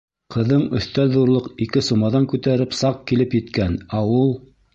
Ҡыҙың өҫтәл ҙурлыҡ ике сумаҙан күтәреп саҡ килеп еткән, ә ул!..